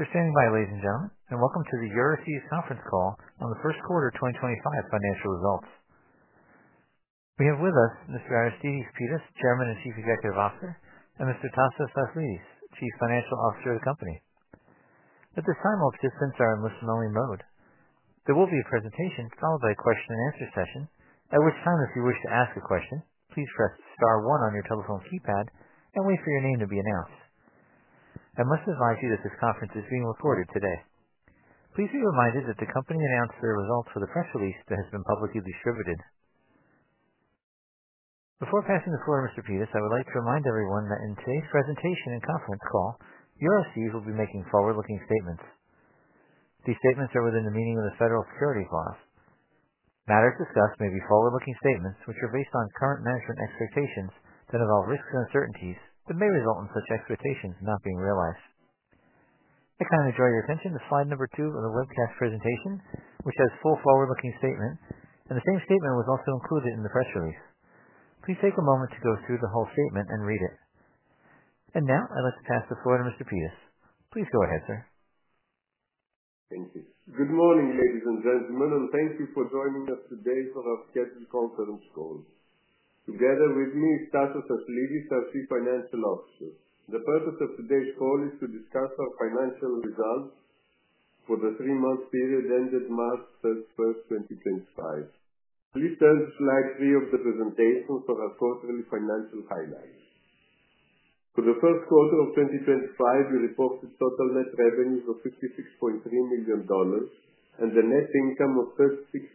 Good afternoon, ladies and gentlemen, and welcome to the Euroseas Conference Call on the first quarter of 2025 financial results. We have with us Mr. Aristides Pittas, Chairman and Chief Executive Officer, and Mr. Tasos Aslidis, Chief Financial Officer of the company. At this time, all participants are in listen-only mode. There will be a presentation followed by a question-and-answer session, at which time, if you wish to ask a question, please press star one on your telephone keypad and wait for your name to be announced. I must advise you that this conference is being recorded today. Please be reminded that the company announced the results of the press release that has been publicly distributed. Before passing the floor to Mr. Pittas, I would like to remind everyone that in today's presentation and conference call, Euroseas will be making forward-looking statements. These statements are within the meaning of the federal security clause. Matters discussed may be forward-looking statements which are based on current management expectations that involve risks and uncertainties that may result in such expectations not being realized. I kindly draw your attention to slide number 2 of the webcast presentation, which has full forward-looking statements, and the same statement was also included in the press release. Please take a moment to go through the whole statement and read it. I would like to pass the floor to Mr. Pittas. Please go ahead, sir. Thank you. Good morning, ladies and gentlemen, and thank you for joining us today for our scheduled conference call. Together with me, Tasos Aslidis, our Chief Financial Officer. The purpose of today's call is to discuss our financial results for the 3-month period ended March 31, 2025. Please turn to slide 3 of the presentation for our quarterly financial highlights. For the first quarter of 2025, we reported total net revenues of $56.3 million and a net income of $36.9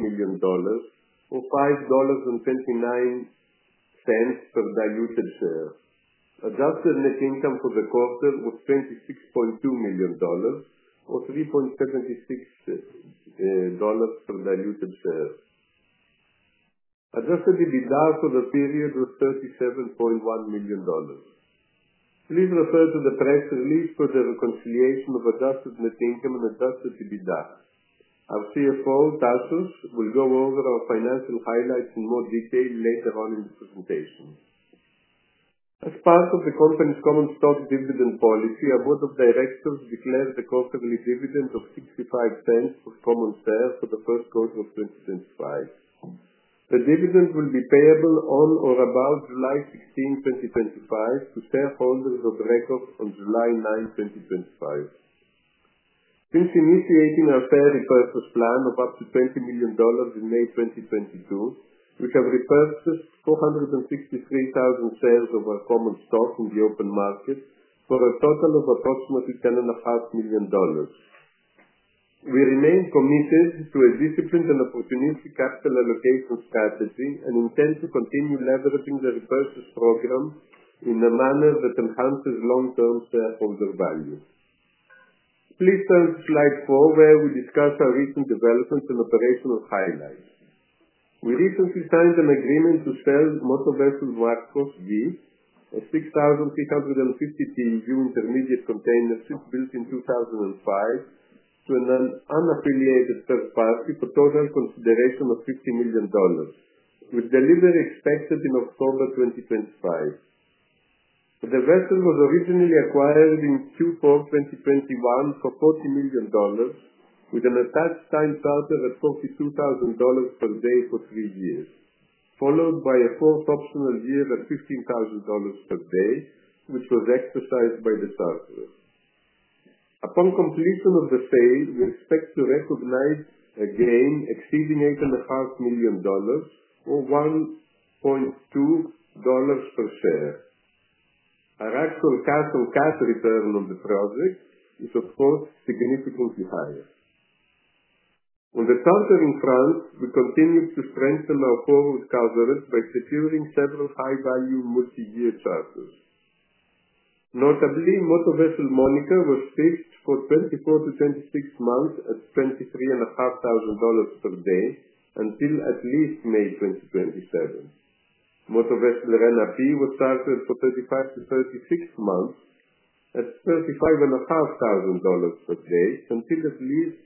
million, or $5.29 per diluted share. Adjusted net income for the quarter was $26.2 million, or $3.76 per diluted share. Adjusted EBITDA for the period was $37.1 million. Please refer to the press release for the reconciliation of adjusted net income and Adjusted EBITDA. Our CFO, Tasos, will go over our financial highlights in more detail later on in the presentation. As part of the company's common stock dividend policy, our Board of Directors declared a quarterly dividend of $0.65 per common share for the first quarter of 2025. The dividend will be payable on or about July 16, 2025, to shareholders of record on July 9, 2025. Since initiating our share repurchase plan of up to $20 million in May 2022, we have repurchased 463,000 shares of our common stock in the open market for a total of approximately $10.5 million. We remain committed to a disciplined and opportunistic capital allocation strategy and intend to continue leveraging the repurchase program in a manner that enhances long-term shareholder value. Please turn to slide 4, where we discuss our recent developments and operational highlights. We recently signed an agreement to sell Motor/Vessel Arkus G, a 6,350 TEU intermediate container ship built in 2005, to an unaffiliated third party for total consideration of $50 million, with delivery expected in October 2025. The vessel was originally acquired in Q4 2021 for $40 million, with an attached time charter at $42,000 per day for 3 years, followed by a fourth optional year at $15,000 per day, which was exercised by the charter. Upon completion of the sale, we expect to recognize a gain exceeding $8.5 million, or $1.2 per share. Our actual cash-on-cash return on the project is, of course, significantly higher. On the chartering front, we continue to strengthen our forward coverage by securing several high-value multi-year charters. Notably, Motor/Vessel Monica was fixed for 24-26 months at $23,500 per day until at least May 2027. Motor/Vessel Rena P was chartered for 35-36 months at $35,500 per day until at least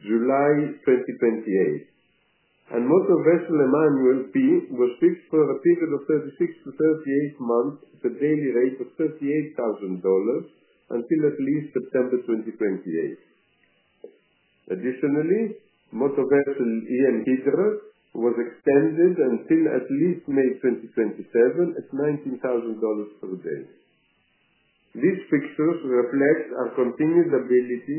July 2028. Motor/Vessel Emmanuel P was fixed for a period of 36-38 months at a daily rate of $38,000 until at least September 2028. Additionally, Motor/Vessel In Hydra was extended until at least May 2027 at $19,000 per day. These fixtures reflect our continued ability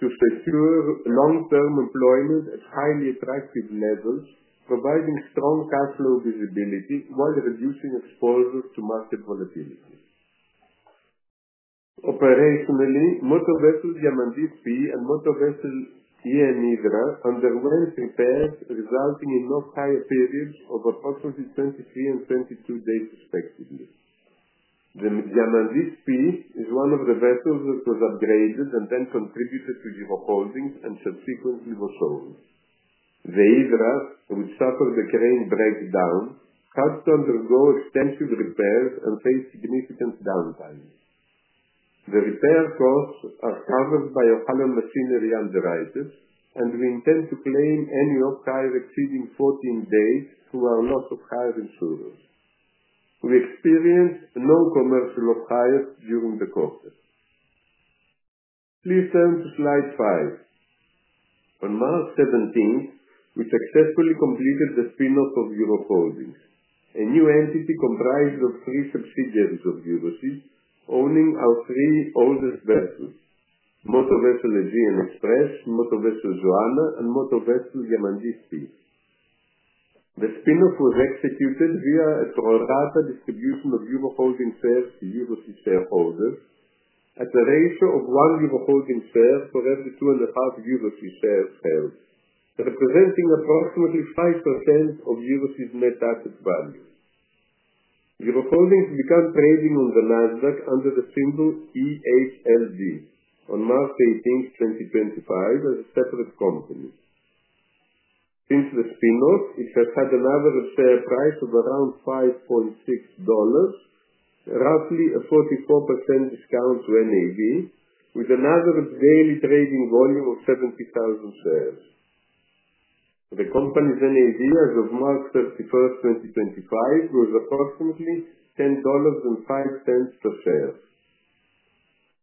to secure long-term employment at highly attractive levels, providing strong cash flow visibility while reducing exposure to market volatility. Operationally, Motor/Vessel Diamantis P and Motor/Vessel In Hydra underwent repairs resulting in off-hire periods of approximately 23 and 22 days, respectively. The Diamantis P is one of the vessels that was upgraded and then contributed to the holdings and subsequently was sold. The Hydra, which suffered a crane breakdown, had to undergo extensive repairs and faced significant downtime. The repair costs are covered by O'Hallam Machinery underwriters, and we intend to claim any off-hire exceeding 14 days through our loss-of-hire insurer. We experienced no commercial off-hires during the quarter. Please turn to slide 5. On March 17, we successfully completed the spin-off of Eurofolding, a new entity comprised of 3 subsidiaries of Euroseas, owning our 3 oldest vessels: Motor/Vessel Aegean Express, Motor/Vessel Joanna, and Motor/Vessel Diamantis P. The spin-off was executed via a pro-rata distribution of Eurofolding shares to Euroseas shareholders at a ratio of one Eurofolding share for every two and a half Euroseas shares held, representing approximately 5% of Euroseas' net asset value. Eurofolding has begun trading on the Nasdaq under the symbol EHLD on March 18, 2025, as a separate company. Since the spin-off, it has had an average share price of around $5.6, roughly a 44% discount to NAV, with an average daily trading volume of 70,000 shares. The company's NAV as of March 31, 2025, grows approximately $10.05 per share.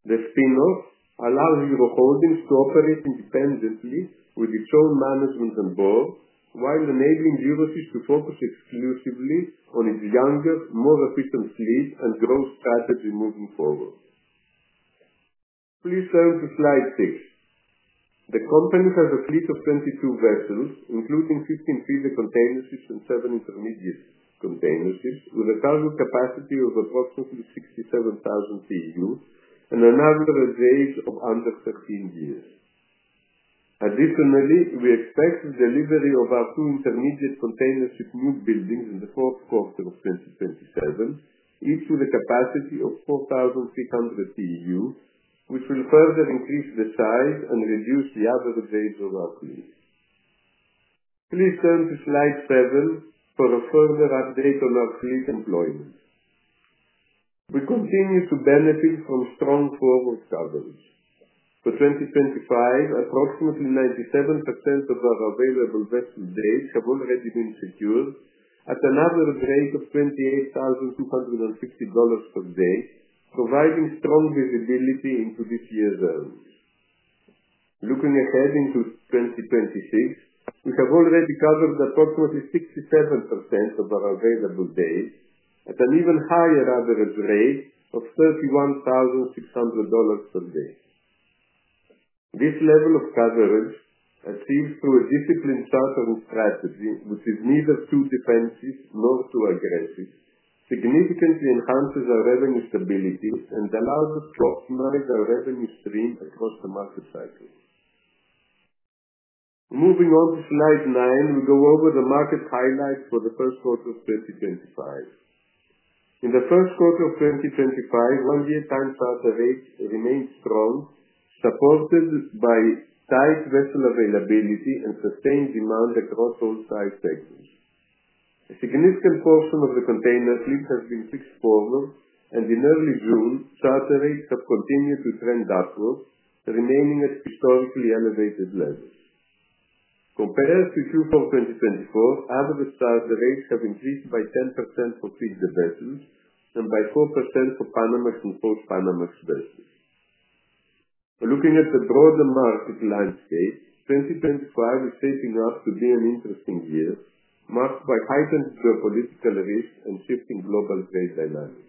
The spin-off allows Eurofolding to operate independently with its own management and board, while enabling Euroseas to focus exclusively on its younger, more efficient fleet and growth strategy moving forward. Please turn to slide 6. The company has a fleet of 22 vessels, including 15 feeder container ships and 7 intermediate container ships, with a cargo capacity of approximately 67,000 TEUs and an average age of under 13 years. Additionally, we expect the delivery of our 2 intermediate container ship new buildings in the fourth quarter of 2027, each with a capacity of 4,300 TEUs, which will further increase the size and reduce the average age of our fleet. Please turn to slide 7 for a further update on our fleet employment. We continue to benefit from strong forward coverage. For 2025, approximately 97% of our available vessel days have already been secured at an average rate of $28,250 per day, providing strong visibility into this year's earnings. Looking ahead into 2026, we have already covered approximately 67% of our available days at an even higher average rate of $31,600 per day. This level of coverage, achieved through a disciplined chartering strategy, which is neither too defensive nor too aggressive, significantly enhances our revenue stability and allows us to optimize our revenue stream across the market cycle. Moving on to slide 9, we go over the market highlights for the first quarter of 2025. In the first quarter of 2025, one-year time charter rates remained strong, supported by tight vessel availability and sustained demand across all 5 segments. A significant portion of the container fleet has been fixed forward, and in early June, charter rates have continued to trend upward, remaining at historically elevated levels. Compared to Q4 2024, average charter rates have increased by 10% for feeder vessels and by 4% for Panamax and Post-Panamax vessels. Looking at the broader market landscape, 2025 is shaping up to be an interesting year, marked by heightened geopolitical risk and shifting global trade dynamics.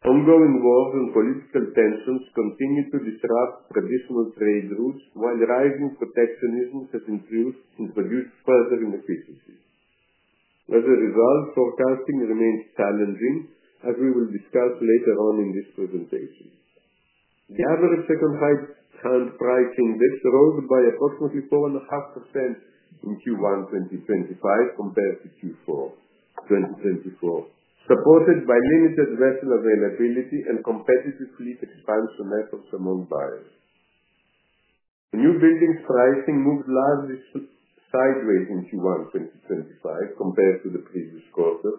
Ongoing wars and political tensions continue to disrupt traditional trade routes, while rising protectionism has introduced further inefficiencies. As a result, forecasting remains challenging, as we will discuss later on in this presentation. The average secondhand price index rose by approximately 4.5% in Q1 2025 compared to Q4 2024, supported by limited vessel availability and competitive fleet expansion efforts among buyers. New buildings pricing moved largely sideways in Q1 2025 compared to the previous quarter,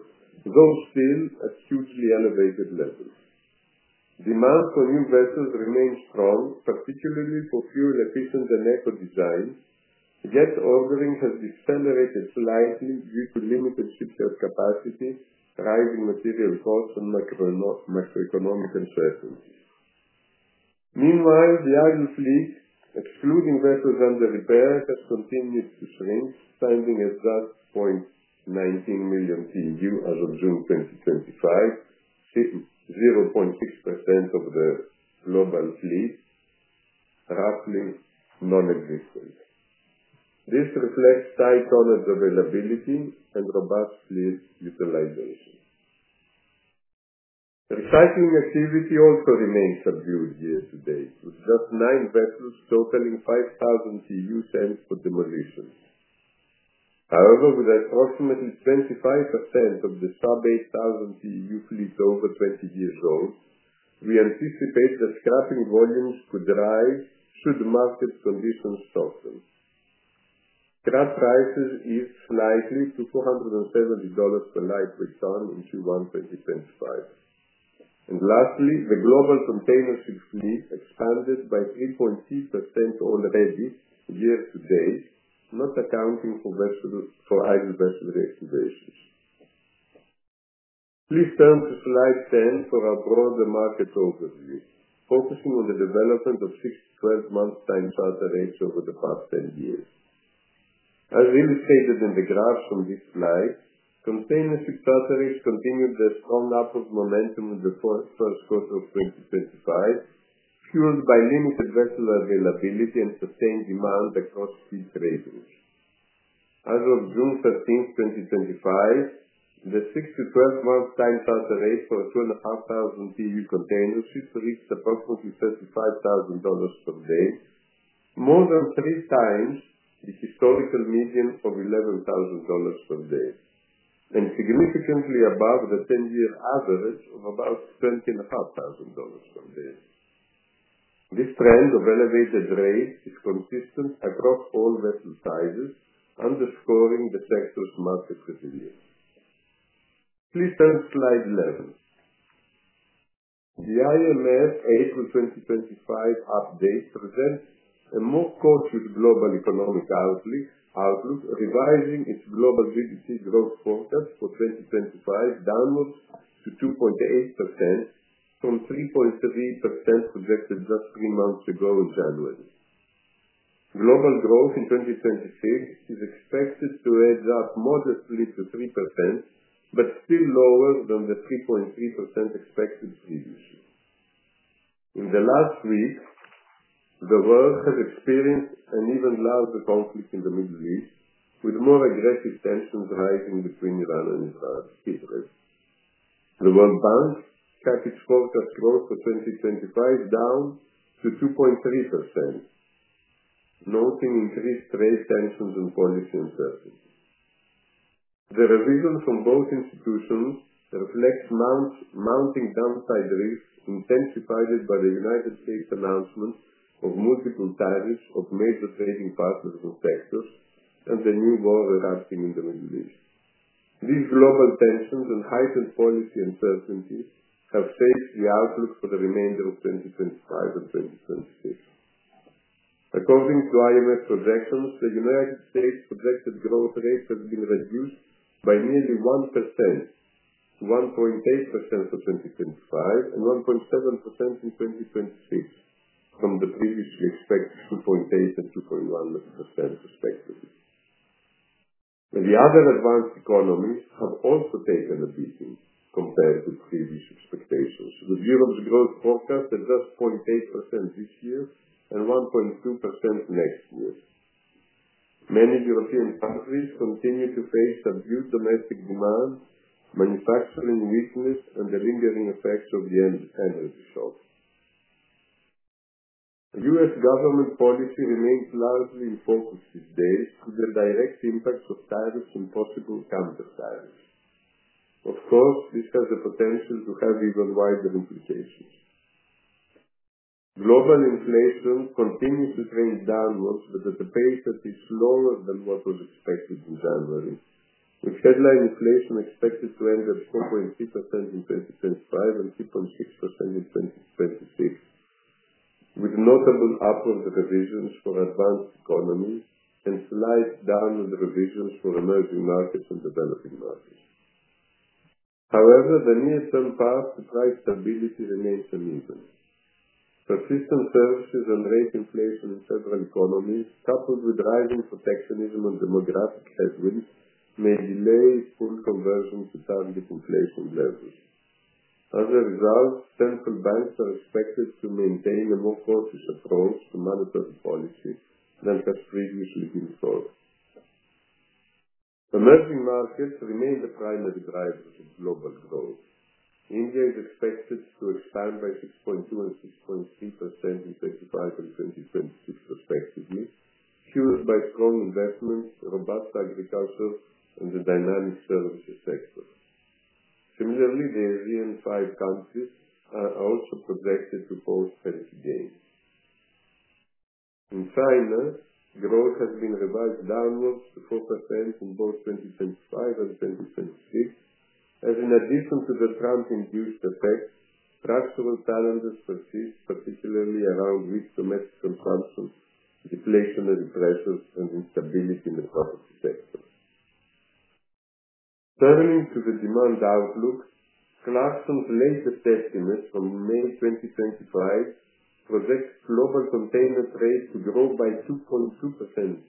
though still at hugely elevated levels. Demand for new vessels remains strong, particularly for fuel-efficient and eco-design, yet ordering has decelerated slightly due to limited shipyard capacity, rising material costs, and macroeconomic uncertainties. Meanwhile, the idle fleet, excluding vessels under repair, has continued to shrink, standing at just 0.19 million TEU as of June 2025, 0.6% of the global fleet, roughly nonexistent. This reflects tight knowledge availability and robust fleet utilization. Recycling activity also remains subdued year to date, with just 9 vessels totaling 5,000 TEU sent for demolition. However, with approximately 25% of the sub-8,000 TEU fleet over 20 years old, we anticipate that scrapping volumes could rise should market conditions soften. Scrap prices eased slightly to $470 per lightweight ton in Q1 2025. Lastly, the global container ship fleet expanded by 3.3% already year to date, not accounting for idle vessel reactivations. Please turn to slide ten for our broader market overview, focusing on the development of 6-12 month time charter rates over the past ten years. As illustrated in the graphs from this slide, container ship charter rates continued their strong upward momentum in the first quarter of 2025, fueled by limited vessel availability and sustained demand across fleet trading. As of June 13, 2025, the 6-12 month time charter rate for 2,500 TEU container ships reached approximately $35,000 per day, more than 3 times the historical median of $11,000 per day, and significantly above the ten-year average of about $20,500 per day. This trend of elevated rates is consistent across all vessel sizes, underscoring the sector's market resilience. Please turn to slide 11. The IMF April 2025 update presents a more cautious global economic outlook, revising its global GDP growth forecast for 2025 downwards to 2.8% from 3.3% projected just 3 months ago in January. Global growth in 2026 is expected to edge up modestly to 3%, but still lower than the 3.3% expected previously. In the last week, the world has experienced an even larger conflict in the Middle East, with more aggressive tensions rising between Iran and Israel. The World Bank cut its forecast growth for 2025 down to 2.3%, noting increased trade tensions and policy uncertainty. The revision from both institutions reflects mounting downside risks, intensified by the United States' announcement of multiple tariffs on major trading partners and sectors, and the new war erupting in the Middle East. These global tensions and heightened policy uncertainty have shaped the outlook for the remainder of 2025 and 2026. According to IMF projections, the United States' projected growth rate has been reduced by nearly 1% to 1.8% for 2025 and 1.7% in 2026, from the previously expected 2.8% and 2.1% respectively. The other advanced economies have also taken a beating compared to previous expectations, with Europe's growth forecast at just 0.8% this year and 1.2% next year. Many European countries continue to face subdued domestic demand, manufacturing weakness, and the lingering effects of the energy shock. U.S. government policy remains largely in focus these days with the direct impacts of tariffs and possible counter-tariffs. Of course, this has the potential to have even wider implications. Global inflation continues to trend downwards, but at a pace that is slower than what was expected in January, with headline inflation expected to end at 4.3% in 2025 and 2.6% in 2026, with notable upward revisions for advanced economies and slight downward revisions for emerging markets and developing markets. However, the near-term path to price stability remains uneven. Persistent services and rate inflation in several economies, coupled with rising protectionism and demographic headwinds, may delay full conversion to target inflation levels. As a result, central banks are expected to maintain a more cautious approach to monetary policy than has previously been followed. Emerging markets remain the primary drivers of global growth. India is expected to expand by 6.2% and 6.3% in 2025 and 2026, respectively, fueled by strong investments, robust agriculture, and the dynamic services sector. Similarly, the ASEAN 5 countries are also projected to post healthy gains. In China, growth has been revised downwards to 4% in both 2025 and 2026, as in addition to the Trump-induced effects, structural challenges persist, particularly around weak domestic consumption, deflationary pressures, and instability in the property sector. Turning to the demand outlook, Clarkson's latest estimates from May 2025 project global container trade to grow by 2.2%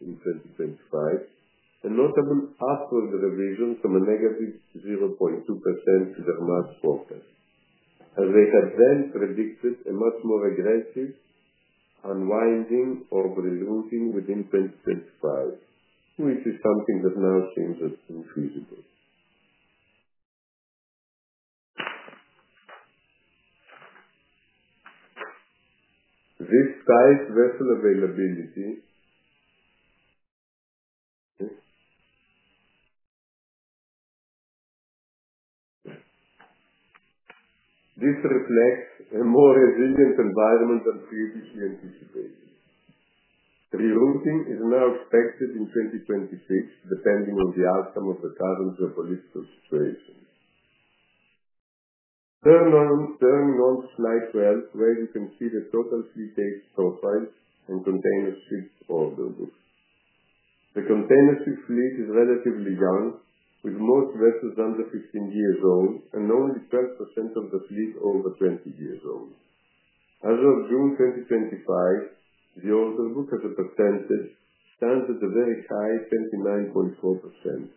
in 2025, a notable upward revision from a negative 0.2% to their March forecast, as they had then predicted a much more aggressive unwinding or resuming within 2025, which is something that now seems unfeasible. This tight vessel availability reflects a more resilient environment than previously anticipated. Rerouting is now expected in 2026, depending on the outcome of the current geopolitical situation. Turning on to slide 12, where you can see the total fleet age profile and container ship order book. The container ship fleet is relatively young, with most vessels under 15 years old and only 12% of the fleet over 20 years old. As of June 2025, the order book as a percentage stands at a very high 29.4%.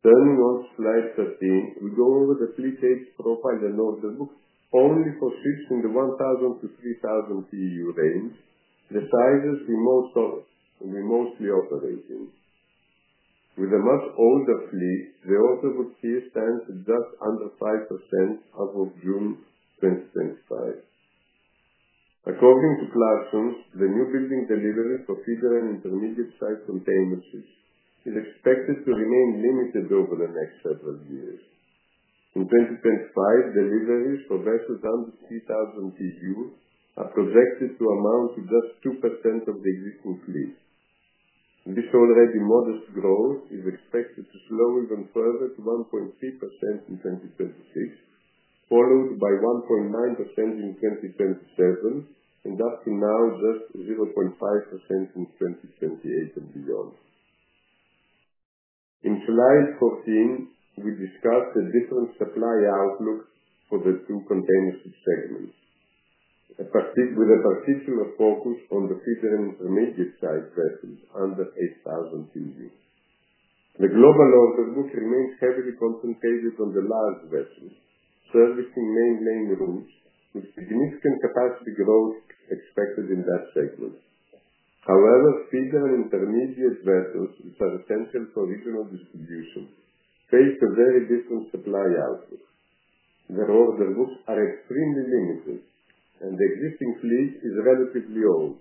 Turning on to slide 13, we go over the fleet age profile and order book only for ships in the 1,000-3,000 TEU range, the sizes we mostly operate in. With a much older fleet, the order book here stands at just under 5% as of June 2025. According to Clarkson's, the new building delivery for feeder and intermediate-sized container ships is expected to remain limited over the next several years. In 2025, deliveries for vessels under 3,000 TEU are projected to amount to just 2% of the existing fleet. This already modest growth is expected to slow even further to 1.3% in 2026, followed by 1.9% in 2027, and up to now just 0.5% in 2028 and beyond. In slide 14, we discuss the different supply outlooks for the 2 container ship segments, with a particular focus on the feeder and intermediate-sized vessels under 8,000 TEU. The global order book remains heavily concentrated on the large vessels, servicing main lane routes, with significant capacity growth expected in that segment. However, feeder and intermediate vessels, which are essential for regional distribution, face a very different supply outlook. Their order books are extremely limited, and the existing fleet is relatively old,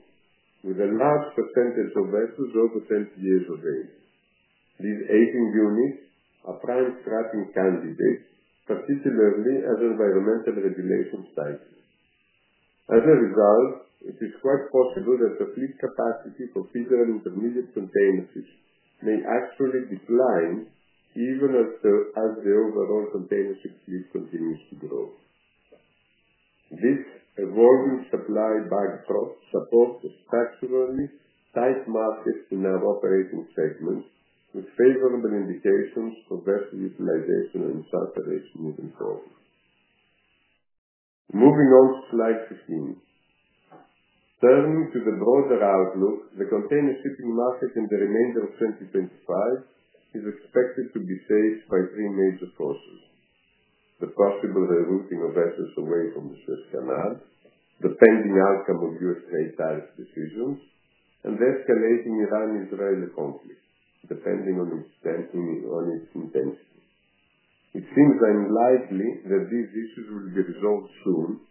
with a large percentage of vessels over 20 years of age. These aging units are prime scrapping candidates, particularly as environmental regulations tighten. As a result, it is quite possible that the fleet capacity for feeder and intermediate container ships may actually decline even as the overall container ship fleet continues to grow. This evolving supply backdrop supports a structurally tight market in our operating segment, with favorable indications for vessel utilization and charter rationing in progress. Moving on to slide 15. Turning to the broader outlook, the container shipping market in the remainder of 2025 is expected to be shaped by 3 major forces: the possible rerouting of vessels away from the Suez Canal, the pending outcome of U.S. trade tariff decisions, and the escalating Iran-Israeli conflict, depending on its intensity. It seems unlikely that these issues will be resolved soon,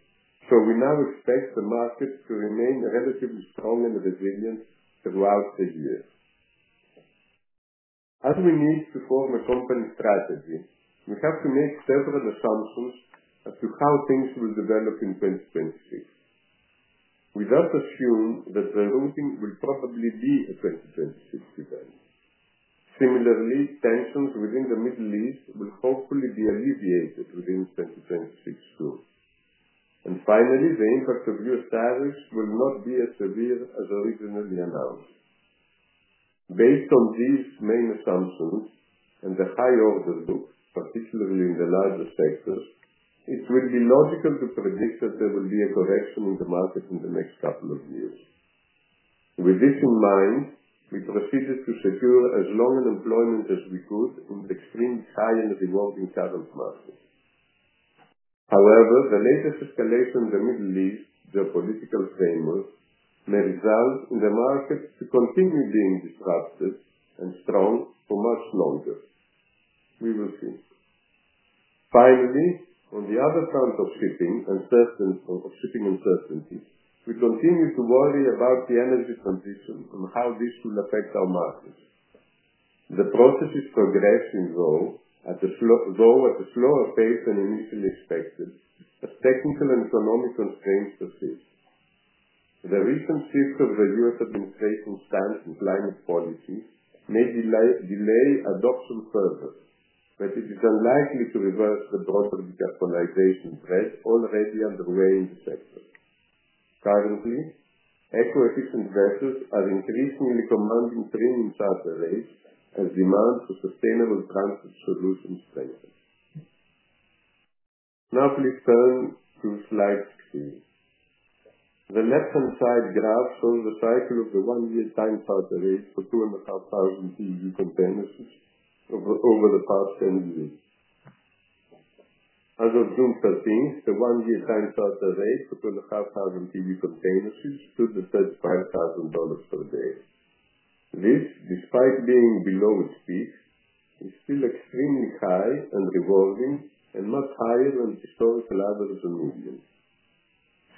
so we now expect the market to remain relatively strong and resilient throughout the year. As we need to form a company's strategy, we have to make several assumptions as to how things will develop in 2026. We do not assume that rerouting will probably be a 2026 event. Similarly, tensions within the Middle East will hopefully be alleviated within 2026 soon. Finally, the impact of U.S. tariffs will not be as severe as originally announced. Based on these main assumptions and the high order book, particularly in the larger sectors, it will be logical to predict that there will be a correction in the market in the next couple of years. With this in mind, we proceeded to secure as long an employment as we could in the extremely high and rewarding current market. However, the latest escalation in the Middle East geopolitical framework may result in the markets to continue being disrupted and strong for much longer. We will see. Finally, on the other front of shipping and shipping uncertainty, we continue to worry about the energy transition and how this will affect our markets. The process is progressing, though, at a slower pace than initially expected, as technical and economic constraints persist. The recent shift of the U.S. administration's stance on climate policy may delay adoption further, but it is unlikely to reverse the broader decarbonization threat already underway in the sector. Currently, eco-efficient vessels are increasingly commanding premium charter rates as demand for sustainable transit solutions strengthens. Now, please turn to slide 16. The left-hand side graph shows the cycle of the one-year time charter rate for 2,500 TEU container ships over the past ten years. As of June 13, the one-year time charter rate for 2,500 TEU container ships stood at $35,000 per day. This, despite being below its peak, is still extremely high and rewarding, and much higher than historical average remuneration.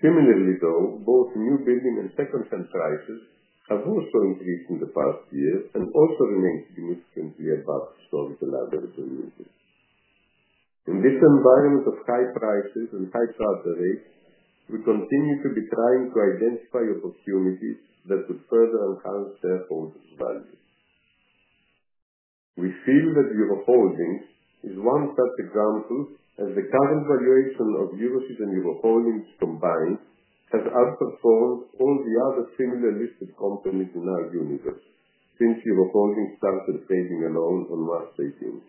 Similarly, though, both new building and second-hand prices have also increased in the past year and also remained significantly above historical average remuneration. In this environment of high prices and high charter rates, we continue to be trying to identify opportunities that could further enhance shareholders' value. We feel that Euroseas is one such example, as the current valuation of Euroseas and Eurofolding combined has outperformed all the other similar listed companies in our universe since Eurofolding started trading alone on March 18.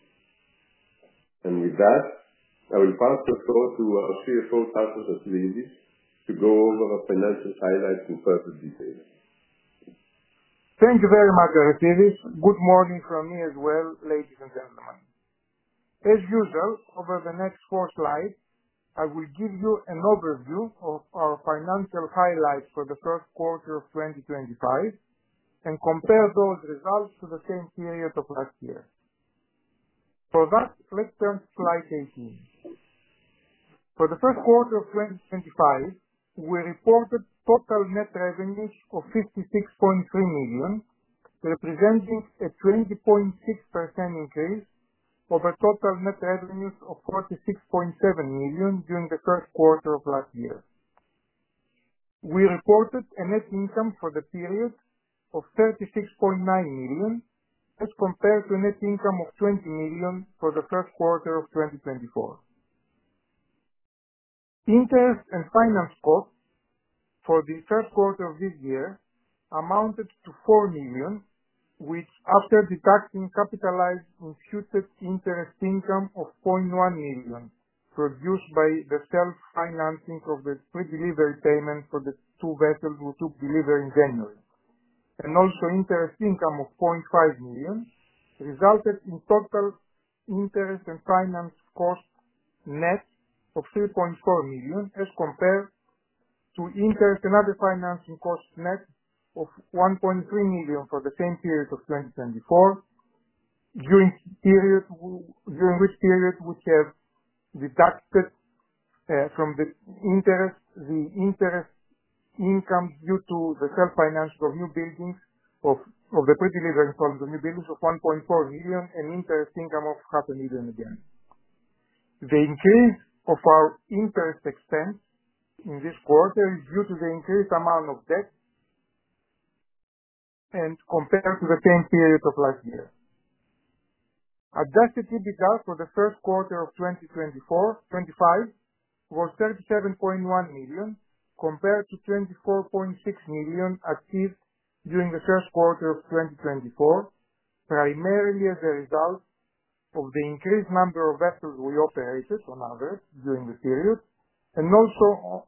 With that, I will pass the floor to our CFO, Tasos Aslidis, to go over our financial highlights in further detail. Thank you very much, Aristides. Good morning from me as well, ladies and gentlemen. As usual, over the next 4 slides, I will give you an overview of our financial highlights for the first quarter of 2025 and compare those results to the same period of last year. For that, let's turn to slide 18. For the first quarter of 2025, we reported total net revenues of $56.3 million, representing a 20.6% increase over total net revenues of $46.7 million during the first quarter of last year. We reported a net income for the period of $36.9 million, as compared to a net income of $20 million for the first quarter of 2024. Interest and finance costs for the first quarter of this year amounted to $4 million, which, after deducting capitalized imputed interest income of $100,000 produced by the self-financing of the pre-delivery payment for the 2 vessels we took delivery in January, and also interest income of $500,000, resulted in total interest and finance costs net of $3.4 million, as compared to interest and other financing costs net of $1.3 million for the same period of 2024, during which period we have deducted from the interest the interest income due to the self-financing of new buildings of the pre-delivery installment of new buildings of $1.4 million and interest income of $500,000 again. The increase of our interest expense in this quarter is due to the increased amount of debt compared to the same period of last year. Adjusted EBITDA for the first quarter of 2024-25 was $37.1 million, compared to $24.6 million achieved during the first quarter of 2024, primarily as a result of the increased number of vessels we operated on average during the period, and also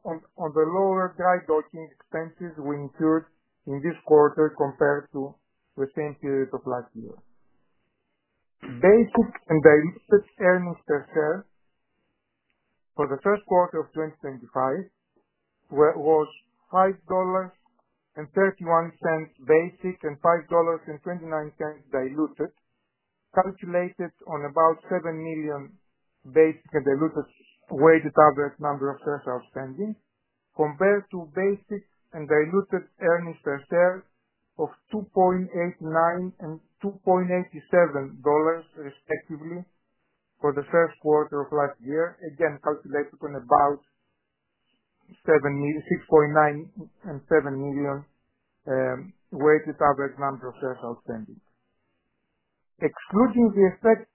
on the lower dry docking expenses we incurred in this quarter compared to the same period of last year. Basic and diluted earnings per share for the first quarter of 2025 was $5.31 basic and $5.29 diluted, calculated on about 7 million basic and diluted weighted average number of shares outstanding, compared to basic and diluted earnings per share of $2.89 and $2.87 respectively for the first quarter of last year, again calculated on about 6.9 and 7 million weighted average number of shares outstanding. Excluding the effect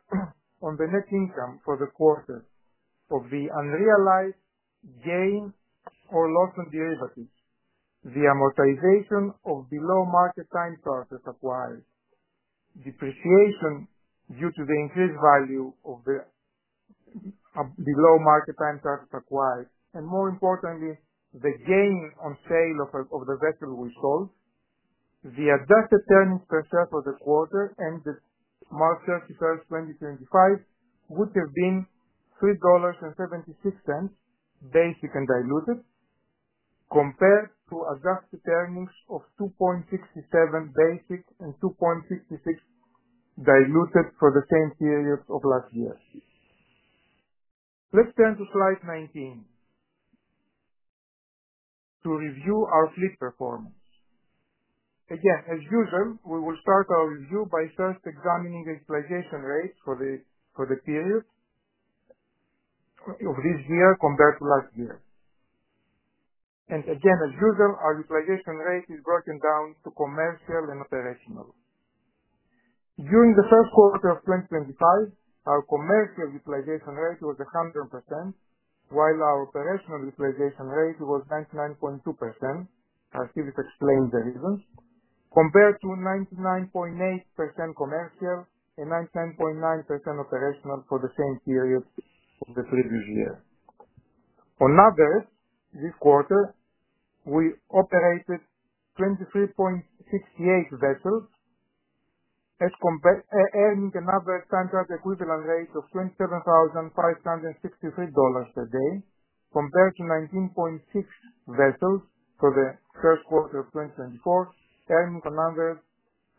on the net income for the quarter of the unrealized gain or loss on derivatives, the amortization of below-market time charter acquired, depreciation due to the increased value of the below-market time charter acquired, and more importantly, the gain on sale of the vessel we sold, the adjusted earnings per share for the quarter ended March 31, 2025, would have been $3.76 basic and diluted, compared to adjusted earnings of $2.67 basic and $2.66 diluted for the same period of last year. Let's turn to slide 19 to review our fleet performance. Again, as usual, we will start our review by first examining the utilization rates for the period of this year compared to last year. Again, as usual, our utilization rate is broken down to commercial and operational. During the first quarter of 2025, our commercial utilization rate was 100%, while our operational utilization rate was 99.2%. Aristides explained the reasons, compared to 99.8% commercial and 99.9% operational for the same period of the previous year. On average, this quarter, we operated 23.68 vessels, earning an average standard equivalent rate of $27,563 per day, compared to 19.6 vessels for the first quarter of 2024, earning an average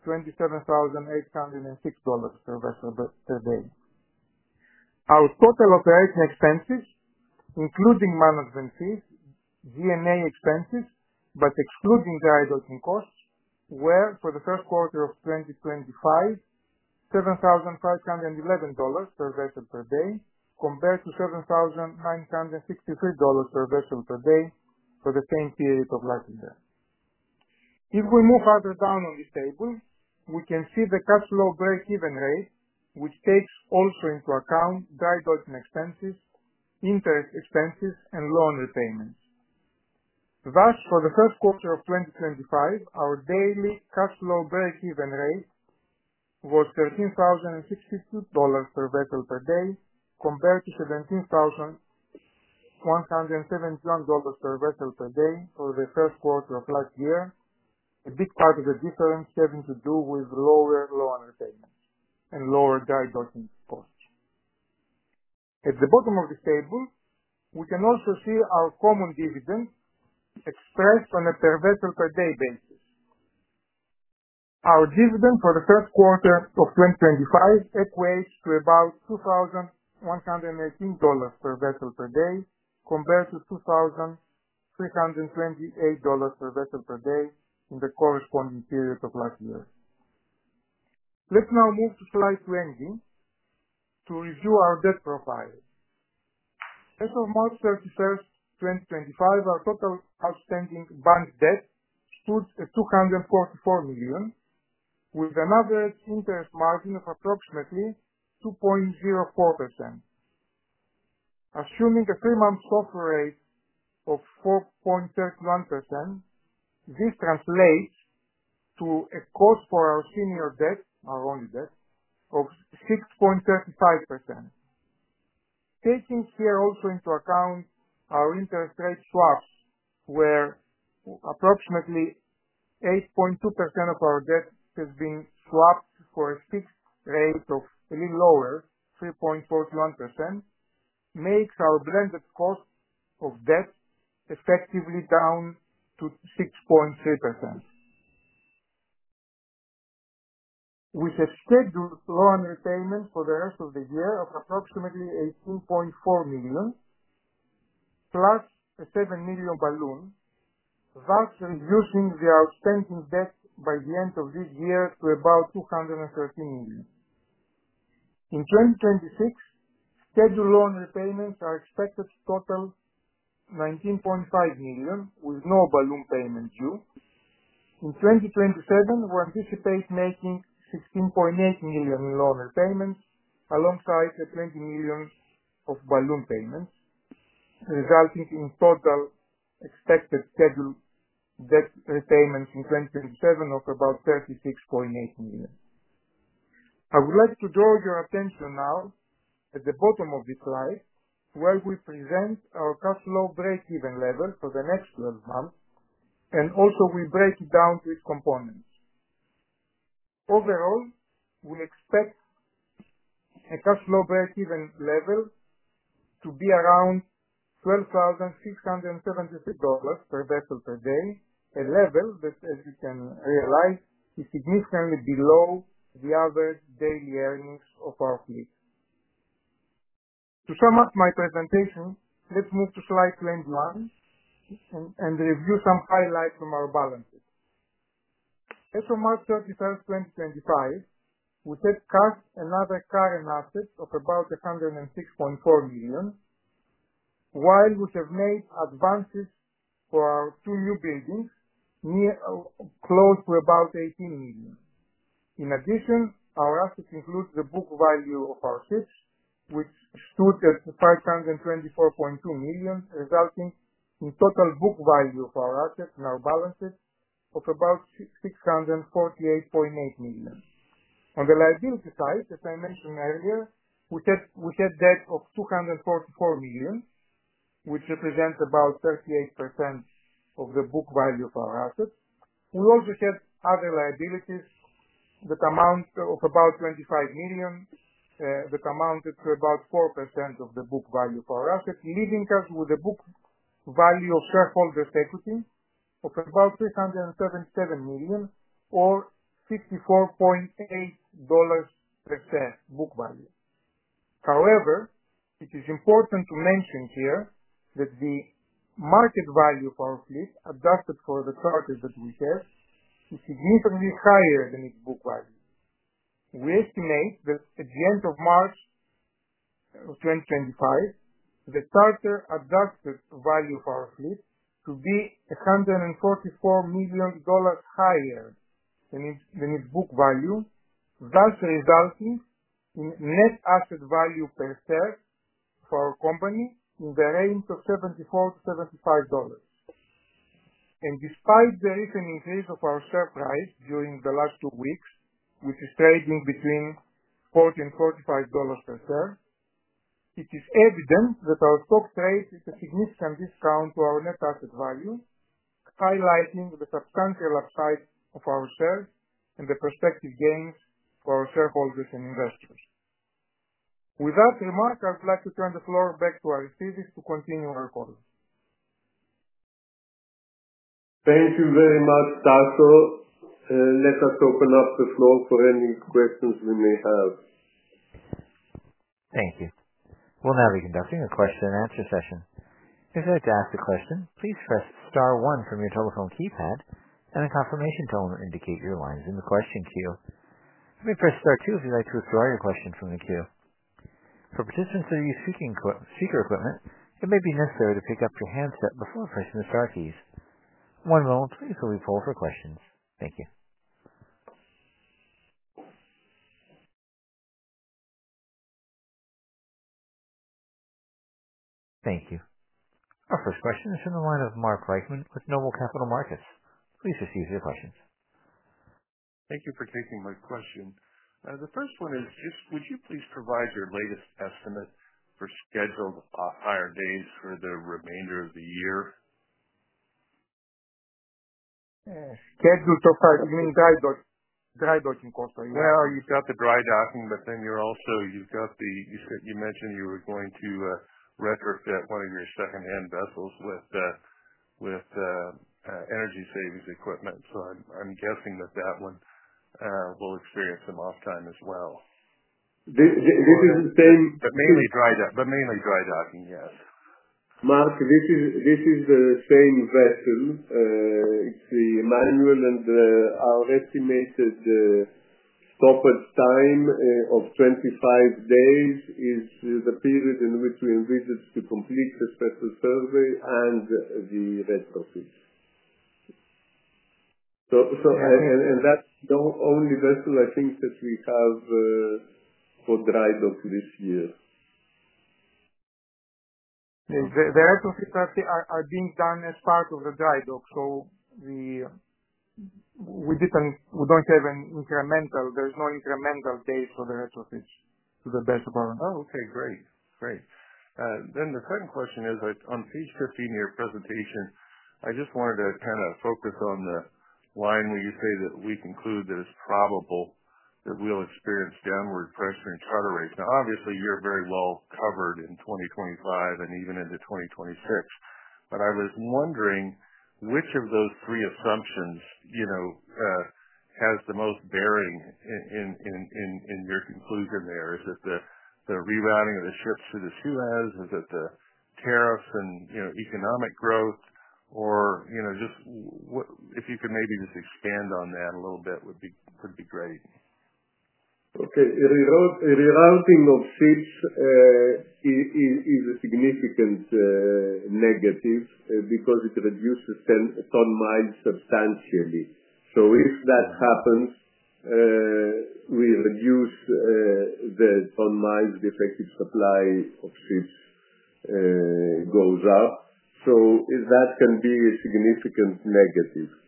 of $27,806 per vessel per day. Our total operating expenses, including management fees, G&A expenses, but excluding dry docking costs, were for the first quarter of 2025, $7,511 per vessel per day, compared to $7,963 per vessel per day for the same period of last year. If we move further down on this table, we can see the cash flow break-even rate, which takes also into account dry docking expenses, interest expenses, and loan repayments. Thus, for the first quarter of 2025, our daily cash flow break-even rate was $13,062 per vessel per day, compared to $17,171 per vessel per day for the first quarter of last year, a big part of the difference having to do with lower loan repayments and lower dry docking costs. At the bottom of this table, we can also see our common dividend expressed on a per vessel per day basis. Our dividend for the first quarter of 2025 equates to about $2,118 per vessel per day, compared to $2,328 per vessel per day in the corresponding period of last year. Let's now move to slide 20 to review our debt profile. As of March 31, 2025, our total outstanding bank debt stood at $244 million, with an average interest margin of approximately 2.04%. Assuming a 3-month soft rate of 4.31%, this translates to a cost for our senior debt, our only debt, of 6.35%. Taking here also into account our interest rate swaps, where approximately 8.2% of our debt has been swapped for a fixed rate of a little lower, 3.41%, makes our blended cost of debt effectively down to 6.3%. With a scheduled loan repayment for the rest of the year of approximately $18.4 million, plus a $7 million balloon, thus reducing the outstanding debt by the end of this year to about $213 million. In 2026, scheduled loan repayments are expected to total $19.5 million, with no balloon payment due. In 2027, we anticipate making $16.8 million in loan repayments, alongside the $20 million of balloon payments, resulting in total expected scheduled debt repayments in 2027 of about $36.8 million. I would like to draw your attention now at the bottom of this slide, where we present our cash flow break-even level for the next 12 months, and also we break it down to its components. Overall, we expect a cash flow break-even level to be around $12,673 per vessel per day, a level that, as you can realize, is significantly below the average daily earnings of our fleet. To sum up my presentation, let's move to slide 21 and review some highlights from our balances. As of March 31, 2025, we have cashed another current asset of about $106.4 million, while we have made advances for our 2 new buildings, close to about $18 million. In addition, our assets include the book value of our ships, which stood at $524.2 million, resulting in total book value of our assets in our balances of about $648.8 million. On the liability side, as I mentioned earlier, we had debt of $244 million, which represents about 38% of the book value of our assets. We also had other liabilities that amounted to about $25 million, that amounted to about 4% of the book value of our assets, leaving us with a book value of shareholders' equity of about $377 million, or 54.8% book value. However, it is important to mention here that the market value of our fleet, adjusted for the charter that we have, is significantly higher than its book value. We estimate that at the end of March of 2025, the charter adjusted value of our fleet to be $144 million higher than its book value, thus resulting in net asset value per share for our company in the range of $74-$75. Despite the recent increase of our share price during the last 2 weeks, which is trading between $40 and $45 per share, it is evident that our stock rate is at a significant discount to our net asset value, highlighting the substantial upside of our shares and the prospective gains for our shareholders and investors. With that remark, I would like to turn the floor back to Aristides to continue our call. Thank you very much, Tasos. Let us open up the floor for any questions we may have. Thank you. We'll now be conducting a question-and-answer session. If you'd like to ask a question, please press star one from your telephone keypad, and a confirmation tone will indicate your line is in the question queue. You may press star 2 if you'd like to withdraw your question from the queue. For participants that are using speaker equipment, it may be necessary to pick up your handset before pressing the star keys. One moment, please, while we poll for questions. Thank you. Thank you. Our first question is from the line of Mark Reichman with Noble Capital Markets. Please proceed with your questions. Thank you for taking my question. The first one is just, would you please provide your latest estimate for scheduled hire days for the remainder of the year? Scheduled dry docking costs are higher. You have got the dry docking, but then you are also—you mentioned you were going to retrofit one of your second-hand vessels with energy savings equipment, so I am guessing that that one will experience some off-time as well. This is the same— but mainly dry docking, yes. Mark, this is the same vessel. It's the manual, and our estimated stoppage time of 25 days is the period in which we envisage to complete the special survey and the retrofit. That's the only vessel, I think, that we have for dry docking this year. The retrofits are being done as part of the dry dock, so we don't have an incremental—there's no incremental days for the retrofits to the vessel bar. Oh, okay. Great. Great. The second question is, on page 15 of your presentation, I just wanted to kind of focus on the line where you say that we conclude that it's probable that we'll experience downward pressure in charter rates. Now, obviously, you're very well covered in 2025 and even into 2026, but I was wondering which of those 3 assumptions has the most bearing in your conclusion there. Is it the rerouting of the ships to the Suez? Is it the tariffs and economic growth? Or just if you could maybe just expand on that a little bit would be great. Okay. Rerouting of ships is a significant negative because it reduces ton miles substantially. If that happens, we reduce the ton miles, the effective supply of ships goes up. That can be a significant negative.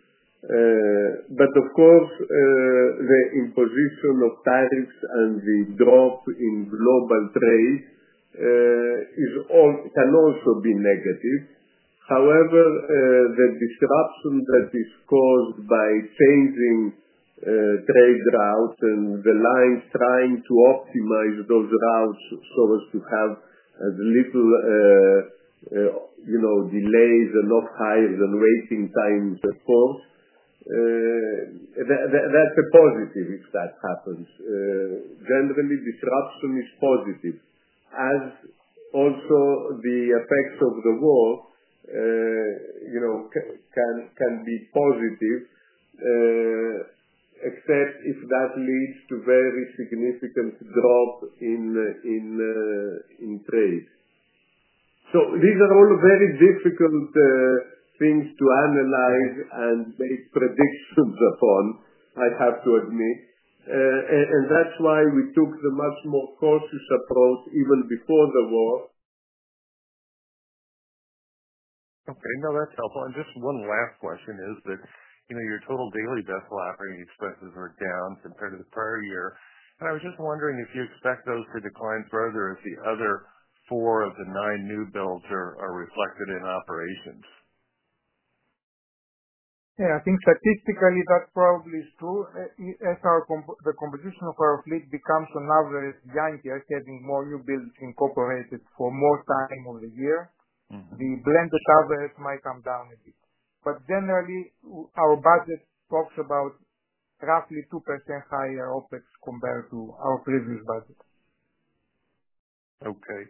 Of course, the imposition of tariffs and the drop in global trade can also be negative. However, the disruption that is caused by changing trade routes and the lines trying to optimize those routes so as to have as little delays and not higher than waiting times force, that's a positive if that happens. Generally, disruption is positive, as also the effects of the war can be positive, except if that leads to a very significant drop in trade. These are all very difficult things to analyze and make predictions upon, I have to admit. That is why we took the much more cautious approach even before the war. Okay. No, that is helpful. Just one last question is that your total daily vessel operating expenses are down compared to the prior year. I was just wondering if you expect those to decline further as the other 4 of the 9 new builds are reflected in operations. Yeah. I think statistically that probably is true. As the composition of our fleet becomes on average younger, having more new builds incorporated for more time of the year, the blended average might come down a bit. Generally, our budget talks about roughly 2% higher OpEx compared to our previous budget. Okay.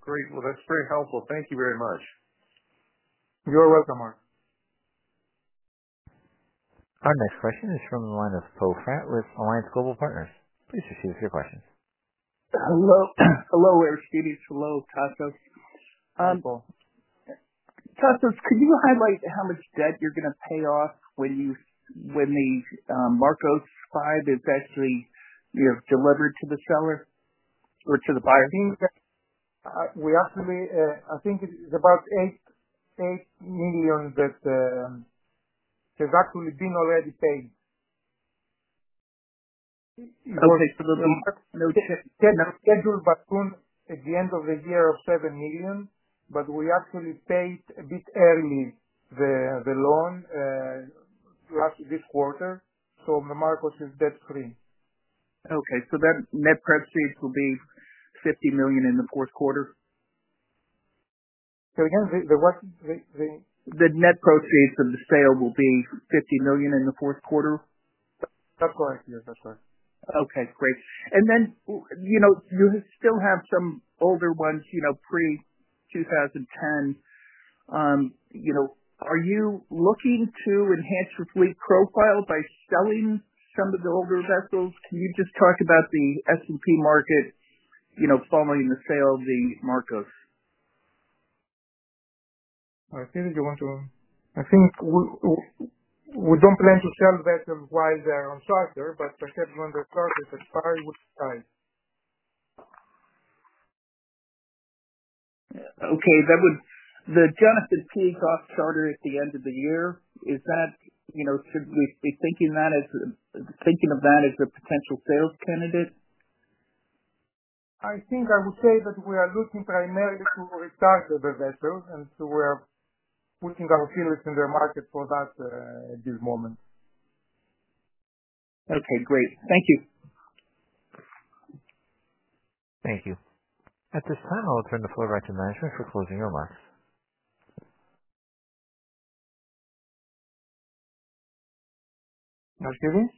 Great. That is very helpful. Thank you very much. You are welcome, Mark. Our next question is from the line of Pofat with Alliance Global Partners. Please proceed with your questions. Hello. Hello, Aristides. Hello, Tasos. Tasos, could you highlight how much debt you're going to pay off when the Marcos V is actually delivered to the seller or to the buyer? We actually—I think it's about $8 million that has actually been already paid. Okay. So the loan? Scheduled by soon, at the end of the year, of $7 million, but we actually paid a bit early the loan last this quarter, so the Marcos is debt-free. Okay. So that net proceeds will be $50 million in the fourth quarter? So again, the what? The net proceeds of the sale will be $50 million in the fourth quarter? That's correct. Yes, that's correct. Okay. Great. And then you still have some older ones pre-2010. Are you looking to enhance your fleet profile by selling some of the older vessels? Can you just talk about the S&P market following the sale of the Marcos? Aristides, you want to— I think we don't plan to sell vessels while they are on charter, but perhaps when the charter expires, we could try. Okay. The Jonathan Pease off-charter at the end of the year, should we be thinking of that as a potential sales candidate? I think I would say that we are looking primarily to retarget the vessels, and so we are pushing our fields in their market for that at this moment. Okay. Great. Thank you. Thank you. At this time, I'll turn the floor back to management for closing remarks. Aristides?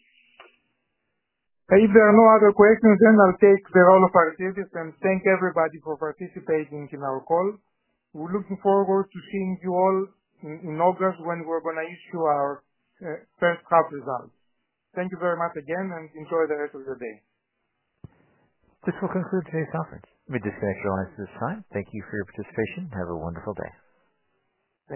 If there are no other questions, then I'll take the role of Aristides and thank everybody for participating in our call. We're looking forward to seeing you all in August when we're going to issue our first half results. Thank you very much again, and enjoy the rest of your day. This will conclude today's conference. We disconnect your lines at this time. Thank you for your participation. Have a wonderful day.